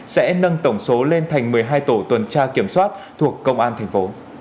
sẽ nâng tổng số lên thành một mươi hai tổ tuần tra kiểm soát thuộc công an tp